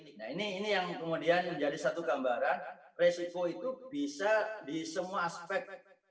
nah ini yang kemudian menjadi satu gambaran resiko itu bisa di semua aspek